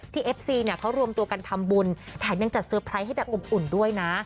เอฟซีเนี่ยเขารวมตัวกันทำบุญแถมยังจัดเตอร์ไพรส์ให้แบบอบอุ่นด้วยนะ